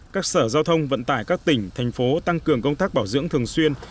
các sở giao thông vận tải các tỉnh thành phố tăng cường công tác bảo dưỡng thường xuyên